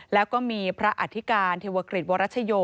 แล้วก็มีพระอธิการเทวกฤษวรชโย